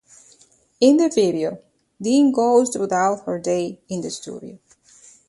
In the video, Dean goes throughout her day in the studio.